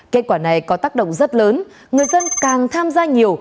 kết quả này có tác động rất lớn người dân càng tham gia nhiều